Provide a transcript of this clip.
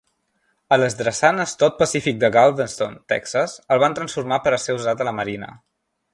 A les drassanes Todd Pacific de Galveston (Texas) el van transformar per a ser usat a la marina.